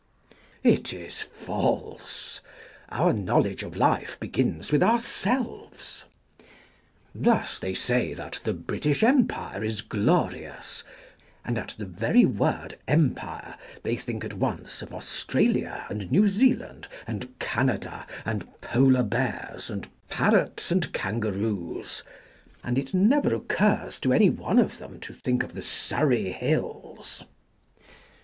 It is false ; our knowledge of life begins with ourselves. Thus they say that the British Empire is glorious, and at the very word Empire they think at once of Australia and New Zealand, and Canada, and Polar bears, and parrots and kangaroos, and it never occurs to any one of them to think of the Surrey Hills.